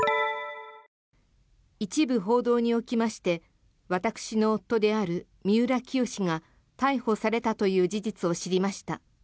一部報道におきまして私の夫である三浦清志が逮捕されたという事実を知りました。